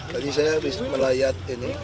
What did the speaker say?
jadi saya melihat ini